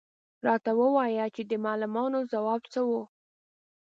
_راته ووايه چې د معلمانو ځواب څه و؟